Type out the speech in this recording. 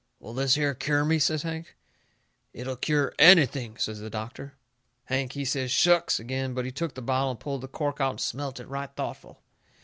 "Will this here cure me?" says Hank. "It'll cure ANYTHING," says the doctor. Hank he says, "Shucks," agin, but he took the bottle and pulled the cork out and smelt it, right thoughtful.